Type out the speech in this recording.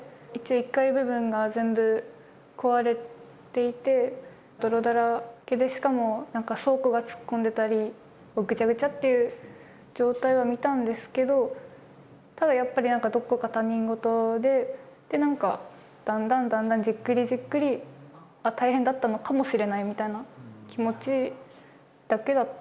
１階部分が全部壊れていて泥だらけでしかも何か倉庫が突っ込んでたりぐちゃぐちゃっていう状態は見たんですけどただやっぱりどこか他人事でで何かだんだんだんだんじっくりじっくり大変だったのかもしれないみたいな気持ちだけだったと思います。